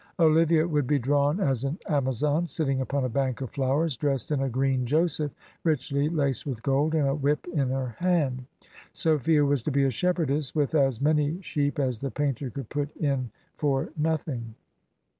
\.. Olivia would be drawn as an Amazon, sitting upon a bank of flowers, dressed in a green Joseph, richly laced with gold, and a whip in her hand. Sophia was to be a shepardess, with as many sheep as the painter could put in for nothing."